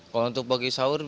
kalau untuk bagi sahur